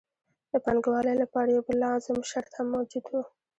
د پانګوالۍ لپاره یو بل لازم شرط هم موجود وو